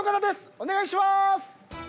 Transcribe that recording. お願いしまーす！